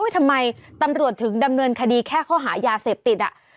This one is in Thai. ทำไมตำรวจถึงดำเนินคดีแค่ข้อหายาเสพติด